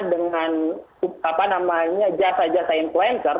dengan apa namanya jasa jasa influencer